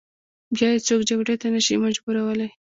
بیا یې څوک جګړې ته نه شي مجبورولای.